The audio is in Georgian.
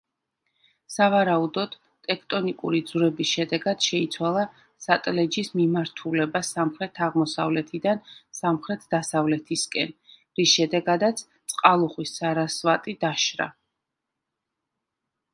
სავარაუდოდ, ტექტონიკური ძვრების შედეგად შეიცვალა სატლეჯის მიმართულება სამხრეთ-აღმოსავლეთიდან სამხრეთ-დასავლეთისკენ, რის შედეგადაც წყალუხვი სარასვატი დაშრა.